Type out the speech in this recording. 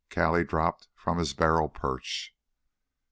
Callie dropped from his barrel perch.